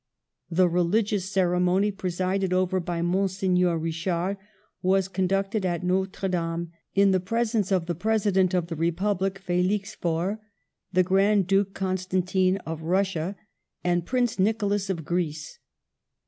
The religious ceremony, presided over by Monseigneur Richard, was conducted at Notre Dame, in the presence of the President of the Republic, Felix Faure, the Grand Duke Con stantine of Russia, and Prince Nicholas of Greece.